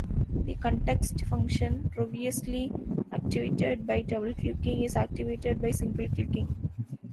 The context function, previously activated by double-clicking, is activated by single-clicking.